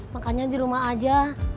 makannya di rumah aja